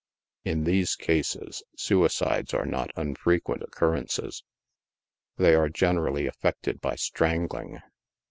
In these cases, suicides are not unfrequent occurrences 5 they are generally effected by strang ling.